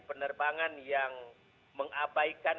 penerbangan yang mengabaikan